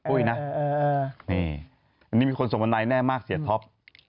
อุ๊ยนะนี่มีคนส่งวันไนแน่มากเสียท็อป